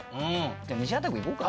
じゃあ西畑君いこうか。